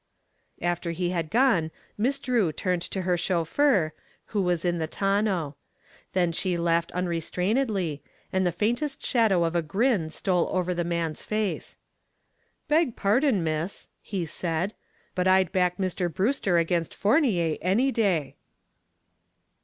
After he had gone Miss Drew turned to her chauffeur, who was in the tonneau. Then she laughed unrestrainedly, and the faintest shadow of a grin stole over the man's face. "Beg pardon, Miss," he said, "but I'd back Mr. Brewster against Fournier any day."